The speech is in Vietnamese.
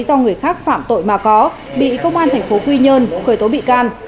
do người khác phạm tội mà có bị công an tp quy nhơn khởi tố bị can